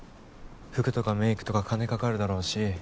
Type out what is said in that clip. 服とかメイクとか金かかるだろうし。